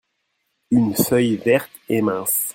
une feuille verte et mince.